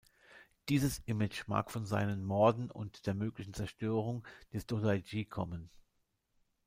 Dieses Image mag von seinen Morden und der möglichen Zerstörung des Tōdai-ji kommen.